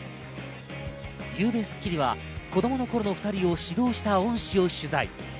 昨夜『スッキリ』は子供の頃の２人を指導した恩師を取材。